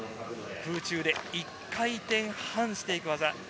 空中で１回転半していく技。